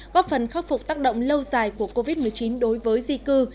góp phần khắc phục tác động lâu dài của covid một mươi chín đối với di cư